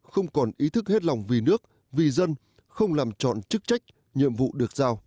không còn ý thức hết lòng vì nước vì dân không làm trọn chức trách nhiệm vụ được giao